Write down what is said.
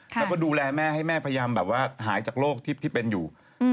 แล้วก็ดูแลแม่ให้แม่พยายามแบบว่าหายจากโรคที่เป็นอยู่